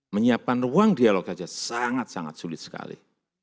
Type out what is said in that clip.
menyiapkan ruang dialog saja sangat sangat sulit sekali